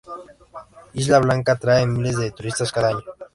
Isla Blanca atrae a miles de turistas cada año.